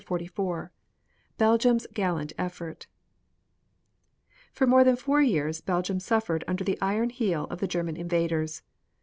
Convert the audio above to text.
CHAPTER XLIV BELGIUM'S GALLANT EFFORT For more than four years Belgium suffered under the iron heel of the German invaders.